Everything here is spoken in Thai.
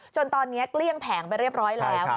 จนตอนนี้เกลี้ยงแผงไปเรียบร้อยแล้ว